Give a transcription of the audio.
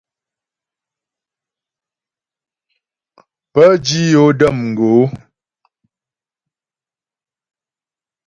Pə́ dǐ yo də̌m gǒ.